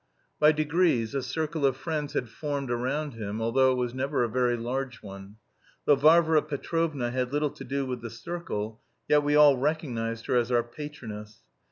By degrees a circle of friends had formed around him, although it was never a very large one. Though Varvara Petrovna had little to do with the circle, yet we all recognised her as our patroness.